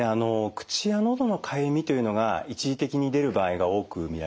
口やのどのかゆみというのが一時的に出る場合が多く見られます。